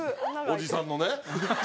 おじさんのね。